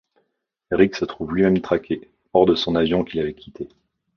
Ric se trouve lui-même traqué, hors de son avion qu'il avait quitté.